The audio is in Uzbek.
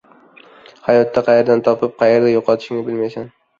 • Hayotda qayerdan topib, qayerda yo‘qotishingni bilmaysan.